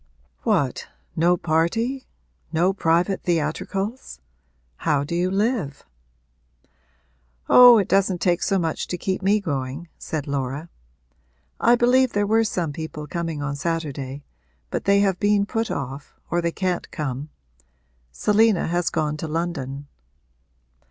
'What, no party no private theatricals? How do you live?' 'Oh, it doesn't take so much to keep me going,' said Laura. 'I believe there were some people coming on Saturday, but they have been put off, or they can't come. Selina has gone to London.'